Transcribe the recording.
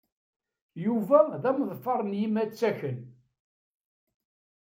Yuba d ameḍfar n yimattaken.